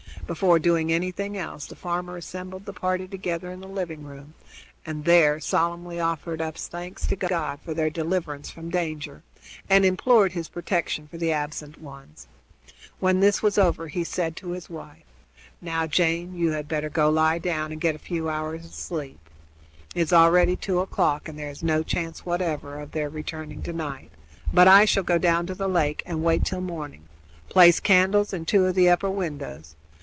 Before doing anything else the farmer assembled the party together in the living room, and there solemnly offered up thanks to God for their deliverance from danger, and implored his protection for the absent ones. When this was over he said to his wife: "Now, Jane; you had better lie down and get a few hours' sleep. It is already two o'clock, and there is no chance whatever of their returning tonight, but I shall go down to the lake and wait till morning. Place candles in two of the upper windows.